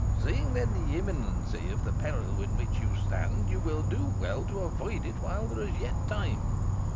Seeing, then, the imminency of the peril in which you stand, you will do well to avoid it while there is yet time.